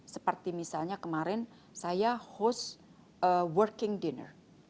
seperti misalnya kemarin saya host working dinner